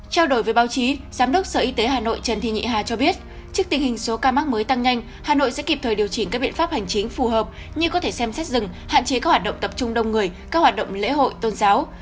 trao đổi với báo chí giám đốc sở y tế hà nội trần thị nhị hà cho biết trước tình hình số ca mắc mới tăng nhanh hà nội sẽ kịp thời điều chỉnh các biện pháp hành chính phù hợp như có thể xem xét dừng hạn chế các hoạt động tập trung đông người các hoạt động lễ hội tôn giáo